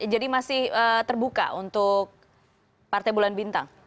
jadi masih terbuka untuk partai bulan bintang